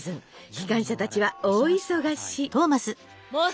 機関車たちは大忙し。